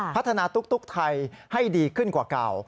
พัฒนาตุ๊กไทยให้ดีขึ้นกว่าเก่า